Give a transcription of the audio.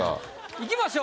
いきましょう。